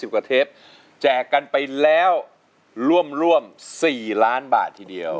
กว่าเทปแจกกันไปแล้วร่วมร่วม๔ล้านบาททีเดียว